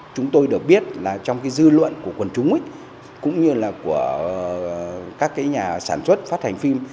chúng tôi được biết là trong cái dư luận của quần chúng cũng như là của các nhà sản xuất phát hành phim